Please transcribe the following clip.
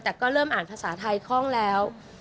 แต่ก็เริ่มอ่านภาษาไทยคล่องแล้ว